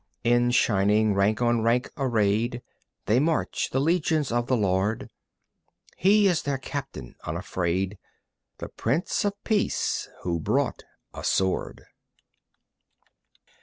In shining rank on rank arrayed They march, the legions of the Lord; He is their Captain unafraid, The Prince of Peace ... Who brought a sword.